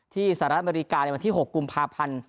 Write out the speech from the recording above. สหรัฐอเมริกาในวันที่๖กุมภาพันธ์